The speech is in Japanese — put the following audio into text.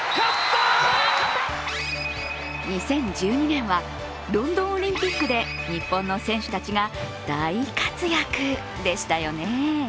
２０１２年はロンドンオリンピックで日本の選手たちが大活躍でしたよね。